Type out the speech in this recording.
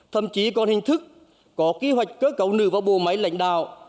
thậm chí còn hình thức có kế hoạch cơ cấu nữ vào bộ máy lãnh đạo